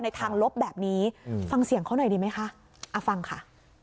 ทางลบแบบนี้ฟังเสียงเขาหน่อยดีไหมคะฟังค่ะ